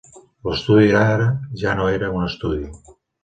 L'estudi d'ara ja no era un estudi